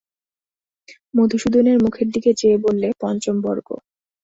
মধুসূদনের মুখের দিকে চেয়ে বললে, পঞ্চম বর্গ।